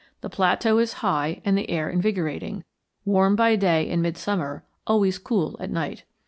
The plateau is high and the air invigorating, warm by day in midsummer, always cool at night.